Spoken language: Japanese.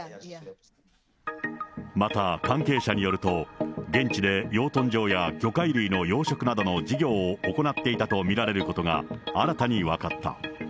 また、関係者によると、現地で養豚場や魚介類の養殖などの事業を行っていたとみられることが、新たに分かった。